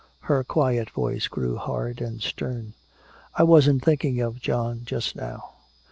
Her quiet voice grew hard and stern. "I wasn't thinking of John just now.